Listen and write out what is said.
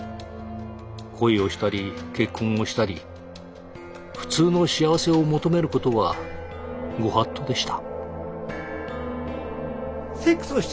恋をしたり結婚をしたり普通の幸せを求めることは御法度でした。